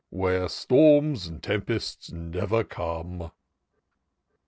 Where storms and tempests never come.